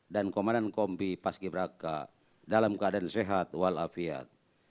dan komandan kombi pas ki braka dalam keadaan sehat walafiat